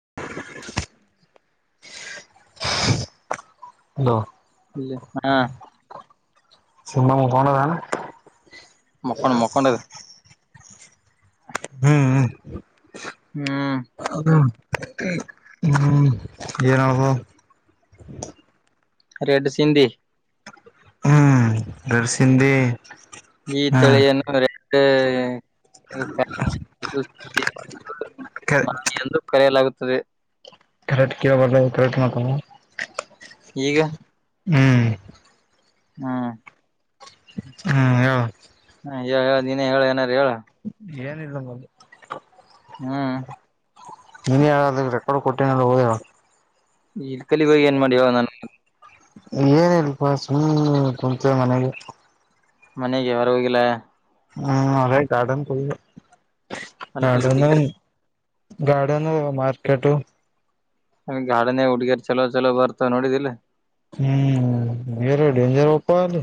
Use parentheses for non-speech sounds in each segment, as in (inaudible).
(inaudible) Hello ಇಲ್ಲಿ ಹಾ ಸಮಾಮ ಕೊಂಡ ಣ (inaudible) ಮುಕ್ಕೊಂಡ ಮುಕ್ಕೊಂಡ (inaudible) ಹ್ಮ್ (inaudible) ಹ್ಮ್ ಹದ (inaudible) ಹ್ಮ್ ನಸ (inaudible) ರೆಡ್ ಸಿಧಿ (inaudible) ಹ್ಮ್ ಬೆರ್ಸಿಂದಿ (inaudible) ಈ ತಿಳಿಯನ್ನು ರ (unintelligible) ಮ ಎಂದು ಕರೆಯಲಾಗುತ್ತದೆ (unintelligible) ರ ಕವ ಬಲರ ತ ಮಾಕ (unintelligible) (inaudible) ಈಗ ಹ್ಮ್ (inaudible) ಹ್ಮ್ ಹ್ಮ ಹ (inaudible) ಹೇಳ ನೀನೇ ಹೇಳ ಏನಾದಾರು ಹೇಳ (inaudible) ಏನಿಲ್ಲ ಮಲು (inaudible) ಹ್ಮ ನೀನ್ ಹೇಳ ಅದ ರೆಕಾರ್ಡ್ ಕೊಟ್ಟಿನಲ್ಲ ಹೋದ (inaudible) ಈಲ್ ಕಲ್ಲಿಗೋಗ ಏನ್ ಮಾಡಿಿವ ನಾನ (unintelligible) ಏನ ಇಲ್ಪಾ ಸು್ ಕುಂತೆ ಮನೆಗೆ (inaudible) ಮನೆಗೆ ವರವಗಲ (inaudible) ಹ್ಮ್ ಅದೇ ಗಾರ್ಡನ್ ಕೊ ಅ ಅಲ್ಲಿೂಡಿಿಯ (unintelligible) ಗಾರ್ಡನ್ ಮಾರ್ಕೆಟ್ ಗಾಡನೇ ಹಡ್ಗರ್ ಚಲೋ ಚಲೋ ಬರ್ತವ ನೋಡಿದಿಲ್ಲ ಹ್ಮ್ ಬೇರ ಡೇಂಜರ್ ಒಪ್ಪ ಅಲ್ಲಿ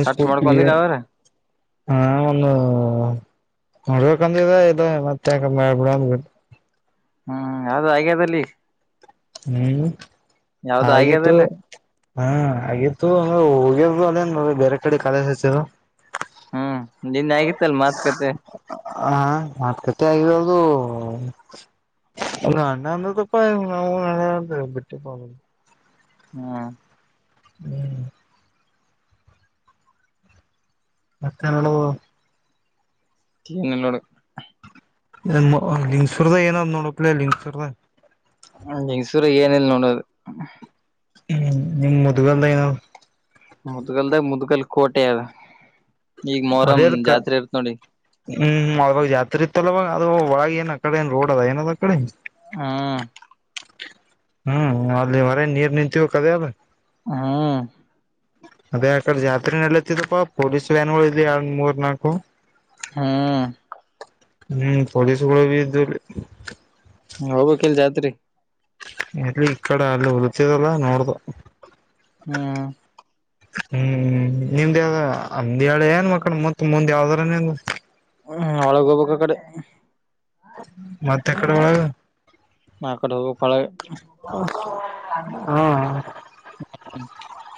ನ್ ಸಟ್ ಸ್ಕೂ ನ್ ಮಾಡ್ಕೊಂಡಿಲ್ಲ ಅವ್ರ ಹ ಒಂದು ನೋಡ್ಬೇಕಂದ ಇದು ಮತ್ತೆಕಬಿಡ್ ಬಿ ಹ್ಮ್ ಅದು ಹಾಗ್ಯಾದದಲ್ಲಿ ಹ್ಮ್ ಯಾವ್ದು ಆಗ್ಯ ಆಗಿತ್ತು ಅದಲ್ಲ ಹಾ ಆಗಿತ್ತು ಅಂದ್ರ ಹೋಗ್ಯ ಅಲ್ಲನ್ ಬೇರೆ ಕಡೆ ಕಾಲ ಹಚ್ಚ ನಿನ್ ಆಗಿತ್ತಲ್ ಮಾತ್ಕತೆ ಹ ಮತುಕಟ್ಟೆ ಆಗಿರೋದು ನನ್ನ ಅಂದ ಪ ಹ ನ ಬಿಟ್ಟೆ ಪ ಹ್ಮ್ ಹ್ಮ್ ಮತ್ತನಳ ಂಗಲ್ಲೋಡು ನಂಗ್ಸುರ್ದ ಏನಾದ್ ನೋಡ ಈಸೂರ ಏನಿಲ್ಲ ನೋಡೋದು ಹ್ಮ್ ನೀ ಮುದಗ ಎಲ್ಲ ಐನ ಮುದಗಲ್ದ ಮುದುಗಲ್ ಕೋಟೆಯಾಗ ಅದೇ ಅಲ್ ಹ್ಮ್ ಅವವಾಗ ಜಾತ್ರೆ ಇತ್ತಲ್ಲವಾಗ ಅದು ವಳ ಏ ಅ ಕಡೆಏ ರೋಡ್ ಅದ ಏನ ಅ ಕಡೆ ಹ್ಮ ಹ್ಮ್ ಅಲ್ಲಿ ಹೊರ ನೀರ್ ನಿಂತವ ಕದ ಅಲ್ಲ ಹಾ ಅದೇ ಆಕಡೆ ಜಾತ್ರೆ ನಡಲತ್ತಿದಪ್ಪ ಪೊಲೀಸ್ ವ್ಯಾನ್ ಗಳು ಇದ ಎರಡ್ ಮೂರ್ ನಾಲ್ಕು ಹ್ಮ ಹ್ಮ್ ಪೊಲಿಸಗಗಳು ಬಿ ಹೋಗಕ್ಲ್ ಜಾತ್ರಿ ಎಲ್ಲಿ ಈ ಕಡೆ ಅಲ್ಲಿ ಉಲತದಲ್ಲ ನೋಡ್ದ ಹ್ಮ್ ಹ್ಮ್ ನಿಮ್ದಾವ್ದ ಅಮ್ದ ಹೇಳಳ ಏನ್ ಮಕ್ಕಳ ಮತ್ ಮುಂದ್ ಯಾವ್ದ್ರ ನಿ ಹ್ಮ್ ಅವಳ ಗಬಕ್ಕ ಕಡೆ ಮತ್ತೆಕಡೆ ಒಳ ಮಕತ್ ಹೋಗ ಹಾ ಹ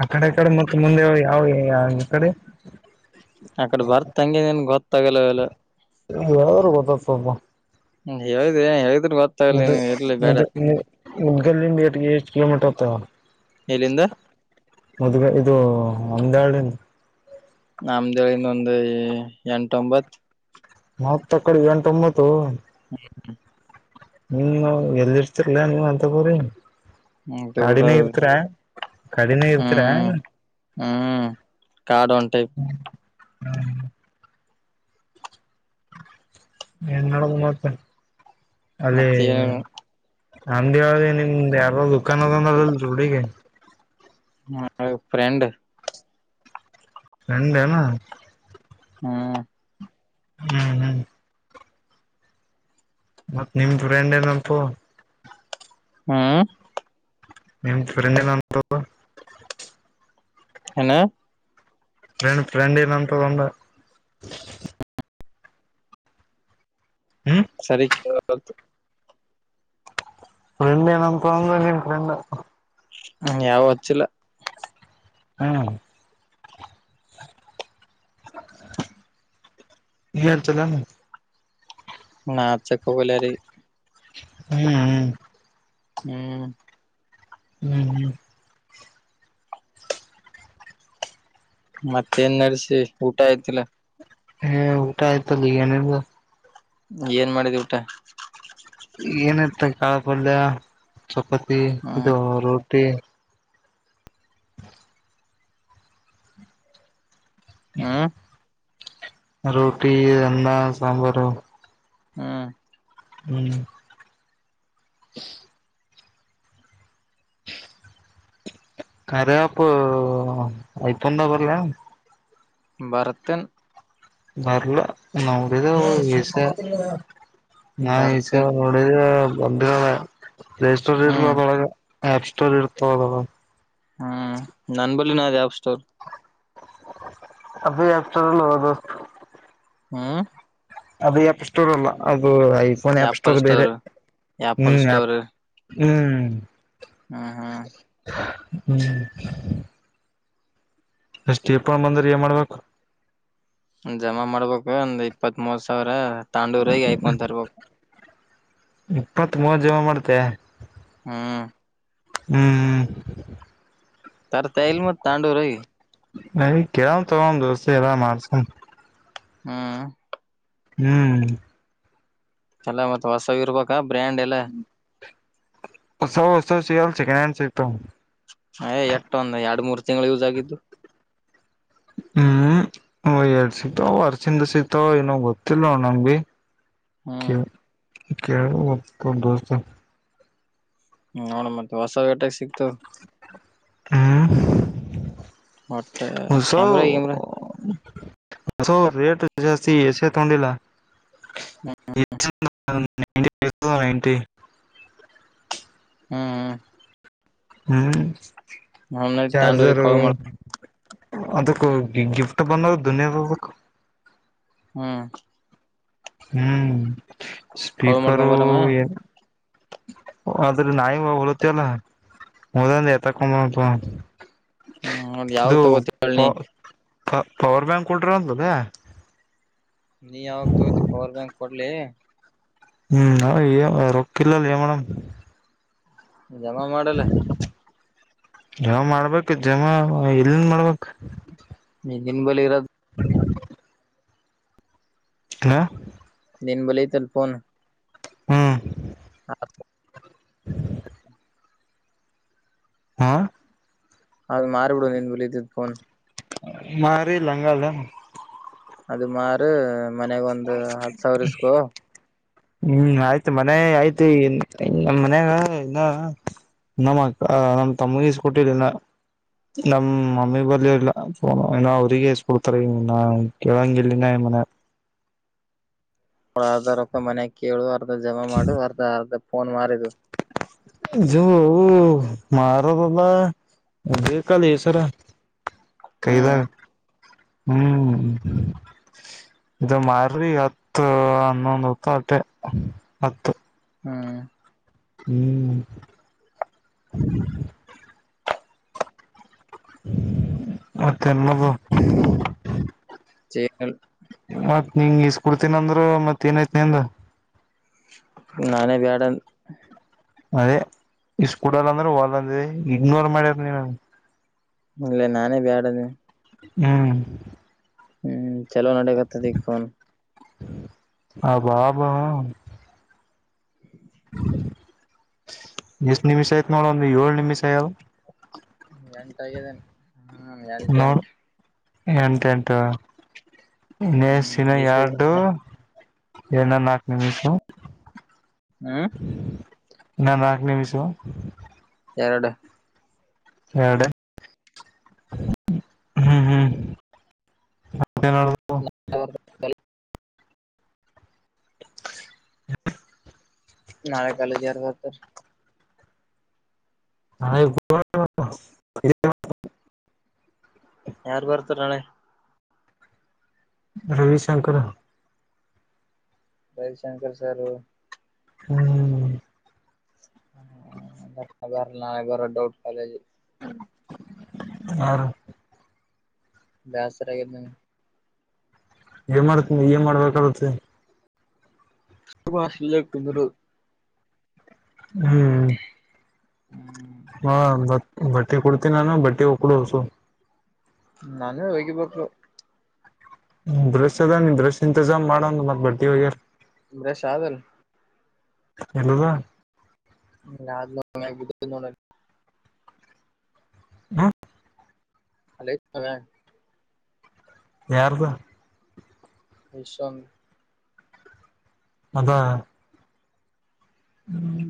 ಆ ಕಡೆ ಕಡೆ ಮತ್ತ ಮುಂದೆ ಯಾವ ಕಡೆ ಅಕಡೆ ಬರ್ತಂಗೆ ನೀನ್ ಗೊತ್ತಾಗಲ್ಲ ಎಲ್ಲ ಯಾರು ಗೊತ್ತತ್ ಸ್ವಲ್ಪ ಹೇಳಿದೆ ಹೇಳಿದ್ರ ಮು ಗೊತ್ತಾಗಲ್ಲ ನೀನ್ ಇರ್ಲಿ ಮು ಬೇಡ ಮುದಗಲ್ಲಿು ಕಲೋಮೀಟರ್ ಹತ್ತ ಎಲ್ಲಿಂದ ಮದ್ಗ ಇದು ಅಂದಾಳನು ನಮ್ದಳಿಂದ ಒಂದು ಎಂಟೊಂಬತ್ ಮೂವತ್ತ ಕಡೆ ಗಂಟೊಂಬತ್ತು ಹ್ಮ ಹ ನೀನ್ ಎಲ್ಲಿ ಇರ್ತಿರ್ಲ ನೀವ್ ಅಂತಗೋ್ರಿ ದೂರ ಗಾಡಿನೇ ಇರ್ತರ ಕಡಿಿನೆ ಇರ್ತೀರ ಹ್ಮ್ ಹ್ಮ್ ಕಾಡ್ ಒಂದ್ ಟೈಪ್ ಹ್ಮ್ ಎನ್ನ ಮುಂಬತ್ತ ಅದೇ ಮತ್ತೆ ಅಂಗಡಿ ಅವರ ನಿಮ್ದ ಯಾರೋ ದುಖಾನದಂದ ಅ ಜೋಡಿಗೆ ಹಾ ಫ್ರೆಂಡ ಫ್ರೆಂಡೇನೋ ಹ್ಮ್ ಹ್ಮ್ ಹ್ಮ್ ಮತ್ತ್ ನಿಮ್ ಫ್ರೆಂಡ್ ಅಂತ ಹ್ಮ್ ನಿನ್ ಫ್ರೆಂಡ್ ಏನಂತು ಹ್ಣ ಫ್ರೆಂಡ್ ಫ್ರೆಂಡ್ ಏನಂತ ಅಂದೆ ಹ್ಮ್ ಸರಿ ಕೇಳೋದು ಫ್ರೆಂಡಏ ನ್ಂತಂದ ನಿನ್ ಫ್ರೆಂಡ ಹ್ಮ ಯಾವ ಅಚ್ಚಿಲ್ಲ ಹ್ಮ್ ಹಾರ ಚಲ್ಲನು ನಾಚಕೋಗಿಲ್ರಿ ಹ್ಮ್ ಹ್ಮ್ ಹ್ಮ್ ಹ್ಮ್ ಹ್ಮ್ ಮತ್ತ ನಡೆಸಿ ಊಟ ಆಯ್ತಿಲ್ಲ ಹ ಊಟ ಆಯ್ತು ಬಿರಿಯಾನಿಗೂ ಏನ್ ಮಾಡಿದ್ ಊಟ ಏನಿತ ಕಾಳಿ ಪಲ್ಯ ಚಪಾತಿ ಇದು ರೋಟಿ ಹ ರೋಟಿ ಅನ್ನ ಸಾಂಬಾರು ಹ್ಮ್ ಹ್ಮ್ ಉಸ್ (inaudible) ಕಾರ್ಯ ಆಪ್ ಆಯ್ಕೊಂಡೆ ಬರ್ಲಿ ಹೆಂಗ್ ಬರುತ್ತೇನೆ ಬರ್ಲ ಅವ್ರಿದ ಈಷ ನಾ ಈಸ ಬರ್ತೇನ್ ಅವಡಿದ ಬಂದ ಪ್ಲೇ ಸ್ಟೋರ್ ಇರ್ಲ ಹ್ಮ್ ಅದೊಳಗ ಆಪ್ ಸ್ಟೋರ್ ಇರ್ತಾವಳಗ ಹ್ಮ್ ನನ್ ಬಲಿನು ಅದ ಆಪ್ ಸ್ಟೋರ್ ಅದ ಆಪ್ ಸ್ಟೋರ್ ನಾ ದೊಸ್ತ್ ಹ್ಮ ಅದು ಆಪ್ ಸ್ಟೋರ್ ಅಲ್ಲ ಅದು ಐಫೋನ್ ಆಪ್ ಸ್ಟೋರ್ ಬೇರೆ ಆಪಲ್ ಹ್ಮ್ ಆಪ್ ಹ್ಮ್ ಹಾ ಹಾ ಹ್ಮ್ ಎಷ್ಟಪ್ ಬಂದರೆ ಏನ್ ಮಾಡ್ಬೇಕ ಜಮಾ ಮಾಡ್ಬೇಕು ಒಂದ್ ಇಪ್ಪತ್ತ ಮೂವತ್ತು ಸಾವಿರ ತಾಂಡೂರಾಗೆ ಯಕೊಂತರ್ಬೇಕು ಇಪ್ಪತ್ ಮೂವತ್ ಜನ ಮಾಡ್ತೆೇ ಹ್ಮ ಹ್ಮ್ ಹ್ಮ್ ತರ್ತೆ ಇಲ್ಲ ಮತ್ ತಾಂಡೂರುಾಗಿ ನಾ ಕೆಳಲ್ಲತೊಗೊವು ದೋಸ್ತ ಅದನ್ನ ಮಾಡಾಸಮ ಹ್ಮ್ ಹ್ಮ್ ಚಲೋ ಮತ್ತ ಹೊಸ್ತಾಗಿ ಇರಬೇಕಾ ಬ್ರ್ಯಾಂಡ್ ಎಲ್ಲ ಹೊಸ ಹೊಸ ಸಿಗಲ್ ಸೆಕೆಂಡ್ ಹ್ಯಾಂಡ್ ಸಿಗ್ತವ ಅಯ ಎಟ್ಟ ಒಂದು ಎರಡು ಮೂರು ತಿಂಗಳು ಯೂಸ್ ಆಗಿದ್ದು ಹ್ಮ್ ಹ ಎಡ್ ಸಿಗ್ತಾವ ವರ್ಷಿಂದ ಸಿಗ್ತಾವ ಏನೋ ಗೊತ್ತಿಲ್ಲ ನಂಗ ಭೀ ಹ್ಮ ಕೇಳು ಒಪ್ಪುತನ್ ದೋಸ್ತ ಹ್ಮ ನೋಡ ಮತ್ತ ಹೊಸ ವೇಟ ಸಿಗ್ತವ್ ಹೂಂ ಹೋಸ್ ಕ್ಯಾಮ್ರಾ ಗಿಮ್ರಾ ಹೊಸೊವು ರೇಟ್ ಜಾಸ್ತಿ ಎಷ್ಟೇ ಸೆಲೆ ತಗೊಂಡಿಲ್ಲ ಹ್ಮ ನೈಂಟಿ ನೈಂಟಿ ಹ್ಮ್ ಹ್ಮ ಹ್ಮ್ ಹೋಮನಡಿ ತಾಂಡೂರಿಗೆ ಕಳು ಮಾಡಮ್ ಅದಕ್ಕ ಗಿಫ್ಟ್ ಬಂದ ದುನಿಯದ ಅದಕು ಹ್ಮ್ ಹ್ಮ್ ಕಾಲ್ ಮಾಡ್ಕೊಂಡ್ ಸ್ಪೀಕರು ಬರಮ್ಮ ಎ ಅದ ರ ನಾಲಿಗ್ಗ ಹೊಳತಿವಲ್ ಹೋದಲ್ಲಿ ಎತ್ತಾಕ್ಕೊಂಡು ಬಾರಮ್ಮ ತಗೋವನ ಹ್ಮ್ ನೋಡ್ರಿ ಯಾವ ತಗೋತಿ ಏಳ್ ನಿ ಪವರ್ ಬ್ಯಾಂಕ್ ಕೊಲ್ಟ್ರಅಂತ ಲೆ ನೀ ಯಾವಾಗ ತೊತಿ ಪವರ್ ಬ್ಯಾಂಕ್ ಕೊಡ್ಲಿ ಹ್ಮ್ ನ ರೊಕ್ಕ ಇಲ್ಲಲೇ ಏನ್ ಮಾ ಡಮ್ ಜಮಾ ಮಾಡ ಇಲ್ಲಿ ಯಾವ ಮಾಡ್ಬೇಕು ಜಮ ಎಲ್ಲಿಂದ ಮಾಡ್ಬೇಕ ನಿಿನ ಬಳಿ ಇರೋದು (unintelligible) ಹ ನೀನ್ ಬಲತಲ್ಲಫೋನ್ ಹ್ಮ್ ಹಾ ಹಾ ಆದದು ಮಾಾರಿಬಡುಣ ಎಂದು ವಿಳಿದ ೋನ್ ಮಾರಲ್ಲಂಗಾಲನು ಅದ ಮಾರ ಮನಗ್ ಒಂದ್ ಹತ್ ಸಾವಿರ ಇಸ್ಕೊ ಹ್ಮ್ ಆಯ್ತು ಮನೆ ಆಯ್ತು ನಮ್ಮ್ ಮನ್ಯಾಗ ಇನ್ನ ನಮ್ಮ ನಮ ತಮ್ಮಗೀಸ್ ಕೊಟ್ಟಿಲಿಲ್ಲ ನಮ ಮಮ್ಮಿ ಬರ್ ಇಲ್ಲ ಇನ ಅವ್ರಿಗೆ ಎಸ್ಕೊಡ್ತಾರೆ ನ ಕೇಳಂಗ ಇಲ್ಲಿನ ಮನೆ ಅವಳ ಅರ್ಧ ರೊಕ್ಕ ಮನ್ಯಾಗ ಕೇಳು ಅರ್ಧ ಜಮಾ ಮಾಡು ಅರ್ಧ ಅರ್ಧ ಫೋನ್ ಮಾರಿದು ಇದು ಮಾರದಲ್ಲ ಅದೇ ಕಲಸರ ಕೈದ ಹ್ಮ್ ಹ್ಮ್ ಇದು ಮರಿ ಹತ್ತು ಹನ್ನೊಂದು ಹೊತ್ತಟೆ ಹತ್ತು ಹ್ಮ್ ಹ್ಮ್ ಮತ್ತೆಲ್ಲದು ಚನ್ ನಿಂಗ ಇಸ್ ಕುಡ್ತೀನ ಅಂದ್ರರು ಮತ್ ಏನೈತಿನ ಅಂದ ನಾನೇ ಬ್ಯಾಡ ಅದೇ ಇಷ್ಟ ಕುಡಲ್ಲ ಅಂದ್ರೆ ಹಲ್ಲಂದ ಇಗ್ನೋರ್ ಮಾಡ್ಯಾರ ನೀವ. ಇಲ್ಲ ನಾನೇ ಬ್ಯಾಡನೇ. ಹ್ಮ್. ಹ್ಮ್ ಚಲೋ ನಡಗತದಫನ್- ಹಬಾಬಾ ಎಷ್ಟ ನಿಮಿಷ ಆಯ್ತ್ ನೋಡಂದ ಏಳ್ ನಿಮಿಷ ಆಯಲ್ ಎಂಟ ಆಗಿದ್ದೇನೆ ಹ್ಮ್ ಎಂಟ ನೋಡು ಎಂಟು ಎಂಟ ಎಂಟು ಇಸಿನ ಹ್ಮ್ ಈ ಎರಡು ಏನ ನಾಕು ನಿಮಿಷ ಹ್ಮ್ ನಾ ನಾಕ ನೀ ವಿಷ ಎರಡು ಎರಡು ಹ್ಮ್ ಹ್ಮ್ ಮತ್ತೆನ (unintelligible) ನಳ ಕಾಲ (unintelligible) ಹ (unintelligible) ಯಾರ ಬರತರಳೆ ರವಿಶಂಕರ್ ರವಿಶಂಕರ್ ಸರ್ ಹ್ಮ್ ಬ ನ ಬರ ಡೌಟ್ ಕ ಹ ಬೇಸರಾಗೈತಿ ಏ ಮಾಡ್ತ್ ನೀ ಏನ್ ಮಾಡ್ಬೇಕಾಗತ್ತೆ. ಸ ಭಾಷ ಕುಂದರು ಹ್ಮ್ ಹ್ಮ ಹಾ ಬಟ್ಟೆ ಕೊಡ್ತೀನಿ ನಾನು ಬಟ್ಟೆ ಹೋಗಕ್ಕಡಸು ನಾನು ಹೋಗಿಬೇಕು ದ್ರಶ್ ಅದ ನೀ ದ್ರಶ್ ಇಂಜಾಮ್ ಮಾಡಂದ ಮತ್ತತ್ ಬರ್ತವಗ್ಯಾರ ಇಷಾದಲ್ ಎಲ್ಲದ ಯ ನ ನ (unintelligible) ಹ್ಮ ಅಲೇವೇ ಯಾರ್ದು ನಿಶಂಗ ಅದ ಹ್ಮ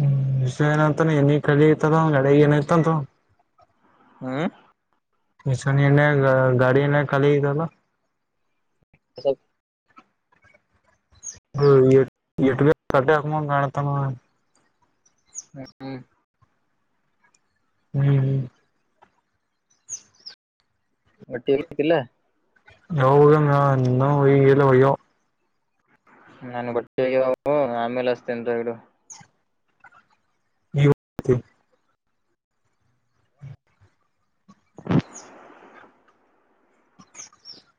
ಹ್ಮ್ ವಿಷಯ ಏನಂತಾನ ನಿ ಕಲತದಡೆಗ ಏನಯತಂತ ಹ್ಮ ಷನ ಗಾಡಿ ಎನ ಕಾಲ ಇಲ್ಲ ಅಸ ಹ ಎ ಕಟ ಹಾಕ ಕಾಣತಣ ಹ್ಮ ಹ್ಮ್ ಹ್ಮ್ ಒಟ್ಟಿತಿಲ್ಲ ಯದಂಗ ಇನ್ನೊ ಒಲ ಒಯ್ಯೋ ನನ್ ಬಟ್ಟೆವು ಆಮೇಲೆ ಅಷ್ಟತಿ ಅಂತ ಹೇಳು (unintelligible)